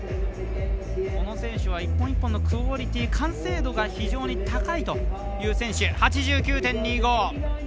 この選手は１本１本のクオリティー完成度が非常に高いという選手。